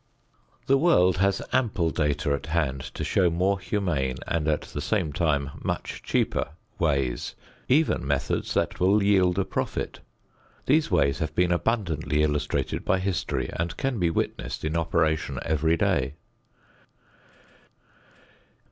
The world has ample data at hand to show more humane and at the same time much cheaper ways, even methods that will yield a profit. These ways have been abundantly illustrated by history and can be witnessed in operation every day.